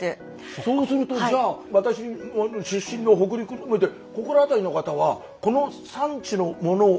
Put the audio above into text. そうするとじゃあ私出身の北陸含めてここら辺りの方はこの産地のものを。